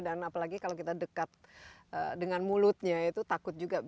dan apalagi kalau kita dekat dengan mulutnya itu takut juga